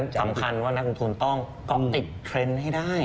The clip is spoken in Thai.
สำคัญว่านักลงทุนต้องเกาะติดเทรนด์ให้ได้